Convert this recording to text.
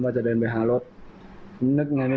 ทำไปแล้วเรารู้สึกยังไง